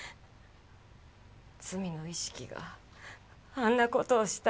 罪の意識があんなことをした